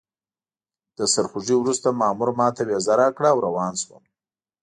له سرخوږي وروسته مامور ماته ویزه راکړه او روان شوم.